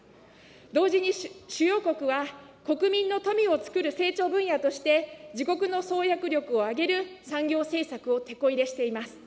同時に主要国は、国民の富をつくる成長分野として、自国の創薬力を上げる産業政策をてこ入れしています。